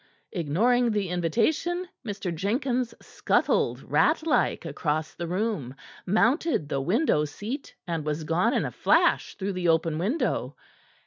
Ignoring the invitation, Mr. Jenkins scuttled, ratlike, across the room, mounted the window seat, and was gone in a flash through the open window.